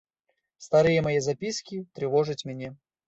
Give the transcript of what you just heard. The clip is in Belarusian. Старыя мае запіскі трывожаць мяне.